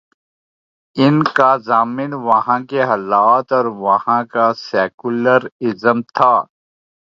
ان کا ضامن وہاں کے حالات اور وہاں کا سیکولر ازم تھا۔